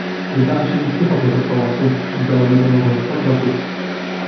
"Wybrałem się więc piechotą do pałacu, oddalonego może o sto kroków."